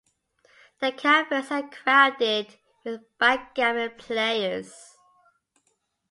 The cafés are crowded with backgammon players.